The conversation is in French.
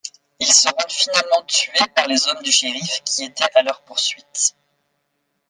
Ils seront finalement tués par les hommes du shérif qui étaient à leur poursuite.